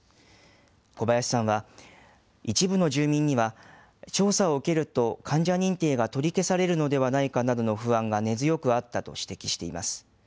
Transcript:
小林さんは、一部の住民には調査を受けると患者認定が取り消されるのではないかなどの不安が根強くあったと指摘しています。